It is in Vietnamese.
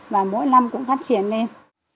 và mỗi năm cũng phát triển lên